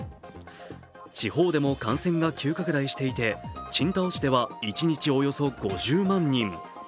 地方でも感染が急拡大していて、青島市では一日およそ５０万人。